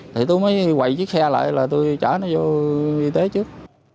thì tôi mới quầy chiếc xe lại là tôi chở nó vô y tế trước